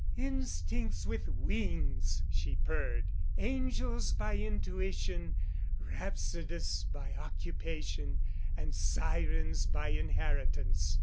"Instincts with wings," she purred, "angels by intuition, rhapsodists by occupation, and sirens by inheritance.